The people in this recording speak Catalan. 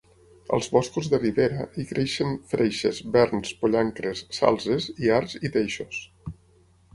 Als boscos de ribera hi creixen freixes, verns, pollancres, salzes i arç i teixos.